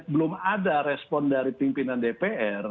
belum ada respon dari pimpinan dpr